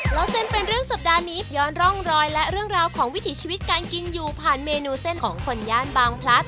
เล่าเส้นเป็นเรื่องสัปดาห์นี้ย้อนร่องรอยและเรื่องราวของวิถีชีวิตการกินอยู่ผ่านเมนูเส้นของคนย่านบางพลัด